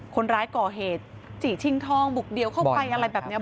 คนร้ายก่อเหตุจี่ชิงทองบุกเดี่ยวเข้าไปอะไรแบบนี้